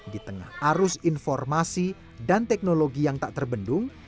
di tengah arus informasi dan teknologi yang tak terbendung